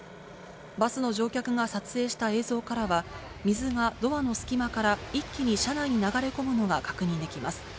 バスの乗客が撮影した映像からは、水がドアの隙間から一気に車内に流れ込むのが確認できます。